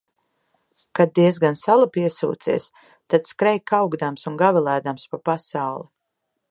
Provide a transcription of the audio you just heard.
Kad diezgan sala piesūcies, tad skrej kaukdams un gavilēdams pa pasauli.